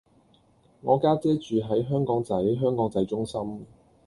我家姐住喺香港仔香港仔中心